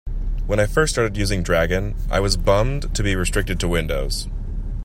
When I first started using Dragon, I was bummed to be restricted to Windows.